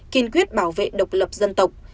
kiên quyết bảo vệ độc lập dân tộc